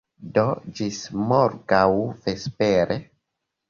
Do, ĝis morgaŭ vespere.